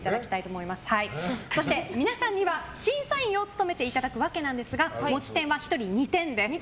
皆さんには審査員を務めていただくわけですが持ち点は１人２点です。